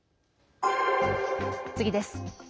次です。